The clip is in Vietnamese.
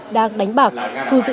đang đánh bạc thu giữ